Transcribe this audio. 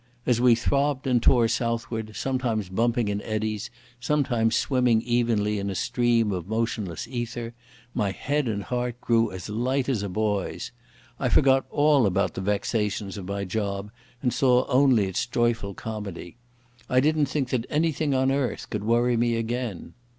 As we throbbed and tore southward, sometimes bumping in eddies, sometimes swimming evenly in a stream of motionless ether, my head and heart grew as light as a boy's. I forgot all about the vexations of my job and saw only its joyful comedy. I didn't think that anything on earth could worry me again.